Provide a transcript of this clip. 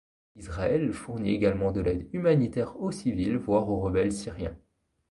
Israël fournit également de l'aide humanitaire aux civils, voire aux rebelles syriens.